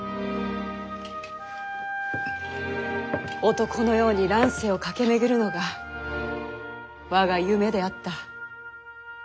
男のように乱世を駆け巡るのが我が夢であった。